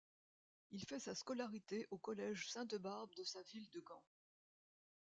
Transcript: Il fait sa scolarité au collège Sainte-Barbe de sa ville de Gand.